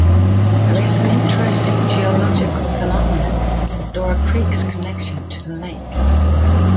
There is an interesting geological phenomena at Dora Creek's connection to the lake.